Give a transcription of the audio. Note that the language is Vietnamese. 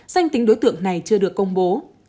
danh tính đối tượng này chưa được công bố